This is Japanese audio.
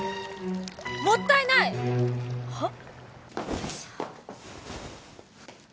もったいない！はっ？